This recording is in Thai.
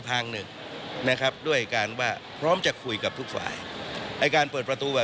กรณีนี้ทางด้านของประธานกรกฎาได้ออกมาพูดแล้ว